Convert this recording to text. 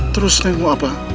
terus neng mau apa